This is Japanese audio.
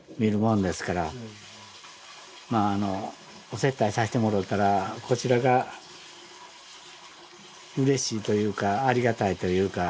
お接待さしてもろうたらこちらがうれしいというかありがたいというか